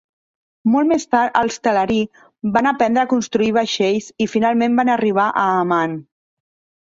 Molt més tard els Teleri van aprendre a construir vaixells, i finalment van arribar a Aman.